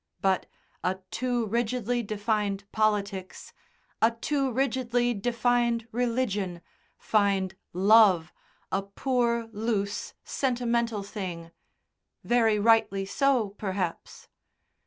But a too rigidly defined politics, a too rigidly defined religion find love a poor, loose, sentimental thing very rightly so, perhaps.